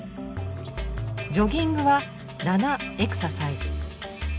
ジョギングは７エクササイズ。